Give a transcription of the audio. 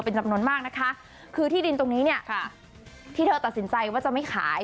เป็นจำนวนมากนะคะคือที่ดินตรงนี้เนี่ยที่เธอตัดสินใจว่าจะไม่ขาย